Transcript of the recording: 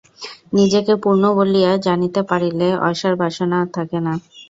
নিজেকে পূর্ণ বলিয়া জানিতে পারিলে অসার বাসনা আর থাকে না।